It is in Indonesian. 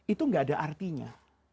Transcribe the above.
itu gak ada artinya